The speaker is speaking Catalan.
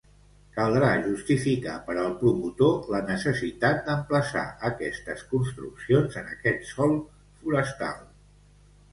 Caldrà justificar per al promotor la necessitat d'emplaçar aquestes construccions en aquest sòl forestal.